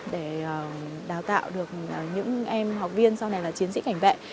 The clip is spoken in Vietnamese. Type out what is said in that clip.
để đào tạo được những em học viên sau này là chiến sĩ cảnh vệ